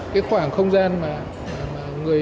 cái khoảng không gian mà người